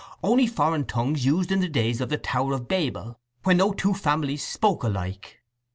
"On'y foreign tongues used in the days of the Tower of Babel, when no two families spoke alike.